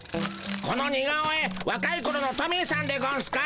このに顔絵わかいころのトミーさんでゴンスか？